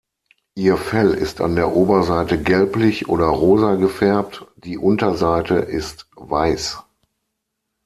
Ihr Fell ist an der Oberseite gelblich oder rosa gefärbt, die Unterseite ist weiß.